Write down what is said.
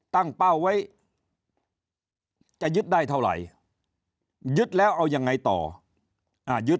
เป้าไว้จะยึดได้เท่าไหร่ยึดแล้วเอายังไงต่ออ่ายึด